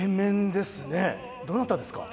どなたですか？